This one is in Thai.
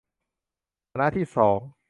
คณะที่สอง